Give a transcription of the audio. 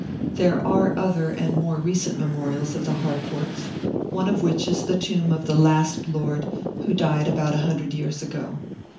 There are other and more recent memorials of the Harcourts, one of which is the tomb of the last lord, who died about a hundred years ago.